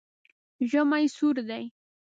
ژمی سوړ ده